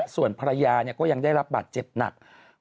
ส่วนภรรยาก็ยังได้รับบาดเจ็บหนัก